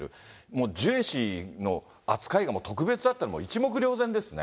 もうジュエ氏の扱いが特別だというのは一目瞭然ですね。